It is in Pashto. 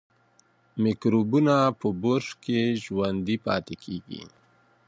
میکروبونه په برس کې ژوندي پاتې کېږي.